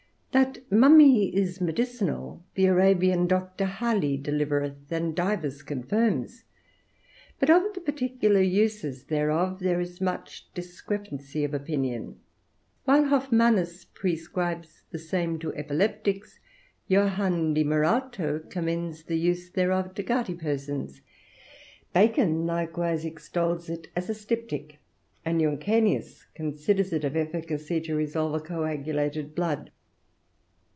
That mummy is medicinal, the Arabian Doctor Haly delivereth, and divers confirms; but of the particular uses thereof, there is much discrepancy of opinion. While Hofmannus prescribes the same to epileptics, Johan de Muralto commends the use thereof to gouty persons; Bacon likewise extols it as a stiptic, and Junkenius considers it of efficacy to resolve coagulated blood.